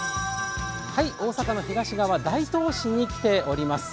大阪の東側、大東市に来ています。